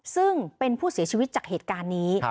ซึ่งเป็นผู้เสียชีวิตจากเหตุการณ์นี้